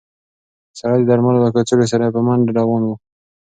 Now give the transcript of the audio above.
سړی د درملو له کڅوړې سره په منډه روان و.